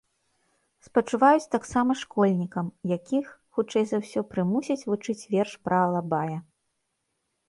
Спачуваюць таксама школьнікам, якіх, хутчэй за ўсё, прымусяць вучыць верш пра алабая.